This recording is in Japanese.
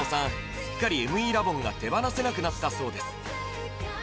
すっかりＭＥラボンが手放せなくなったそうです